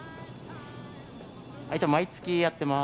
毎月やってます。